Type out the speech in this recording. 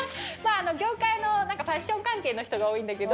業界のファッション関係の人が多いんだけど。